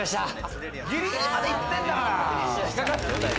ギリギリまでいってんだから。